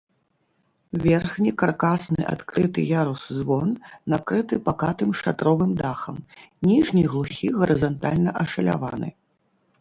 Верхні каркасны адкрыты ярус-звон накрыты пакатым шатровым дахам, ніжні глухі гарызантальна ашаляваны.